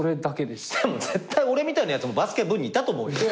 でも絶対俺みたいなやつもバスケ部にいたと思うよ。